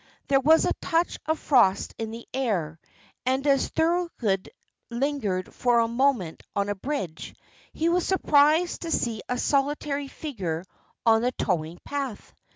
There was a touch of frost in the air, and as Thorold lingered for a moment on the bridge, he was surprised to see a solitary figure on the towing path.